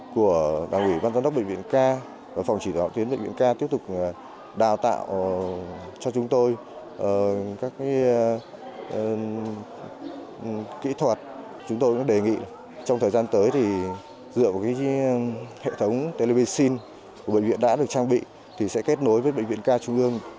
các bệnh viện đã được trang bị thì sẽ kết nối với bệnh viện ca trung ương